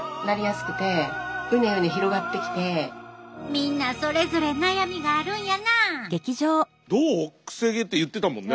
みんなそれぞれ悩みがあるんやな。